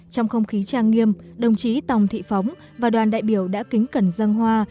trong không khí trang nghiêm đồng chí tòng thị phóng và đoàn đại biểu đã kính cẩn dân hoa